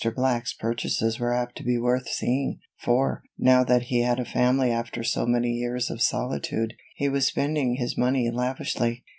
Black's purchases were apt to be worth seeing, for, now that he had a family after so many years of solitude, he was spending his money lavishly.